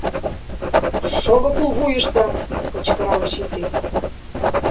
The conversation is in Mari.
Шого пулвуйышто! — кычкыра учитель.